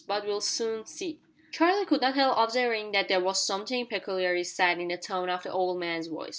But we'll soon see." Charlie could not help observing that there was something peculiarly sad in the tone of the old man's voice.